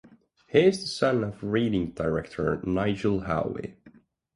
He is the son of Reading director Nigel Howe.